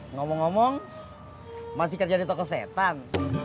ngomong ngomong masih kerja di toko setan